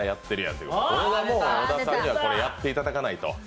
小田さんにはこれやっていただかないと。